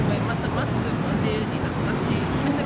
マスクも自由になったし。